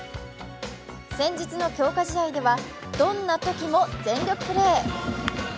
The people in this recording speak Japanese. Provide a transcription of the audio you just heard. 先日の強化試合では、どんなときも全力プレー。